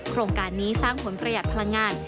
โครงการนี้สร้างผลประหยัดพลังงาน